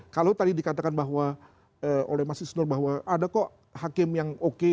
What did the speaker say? kalau tadi dikatakan bahwa oleh mas isnur bahwa ada kok hakim yang oke